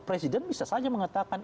presiden bisa saja mengatakan